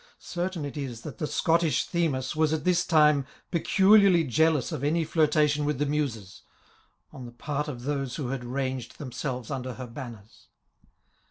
Certain it is, that the Scottish Themis was at this time peculiarly jealous of any flirta tion with the Muses, on the part of those who had ranged themselves under her banners.